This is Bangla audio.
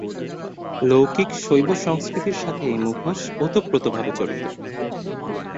লৌকিক শৈব সংস্কৃতির সাথে এই মুখোশ ওতপ্রোতভাবে জড়িত।